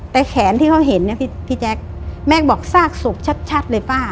แต่แขนที่เขาเห็นเนี่ยพี่แจ๊คแม่บอกซากศพชัดเลยป้า